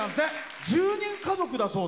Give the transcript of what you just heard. １０人家族だそうで。